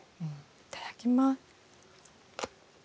いただきます。